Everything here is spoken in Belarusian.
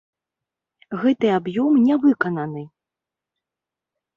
Гэты аб'ём не выкананы.